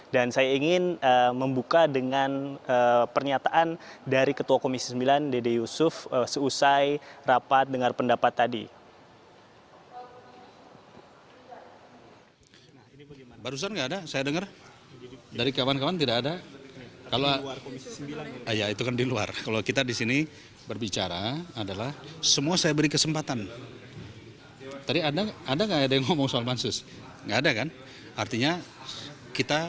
dan saya ingin membuka dengan pernyataan dari ketua komisi sembilan dede yusuf seusai rapat dengar pendapat tadi